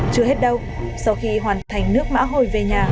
chưa hết đâu sau khi hoàn thành nước mã hồi về nhà